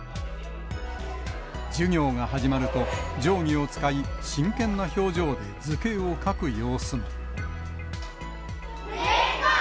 授業が始まると、定規を使い、真剣な表情で図形を描く様子も。